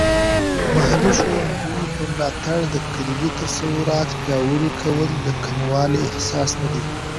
محلي ښوونځیو په ملاتړ د کلیدي تصورات پیاوړي کول د کموالی احساس نه دی.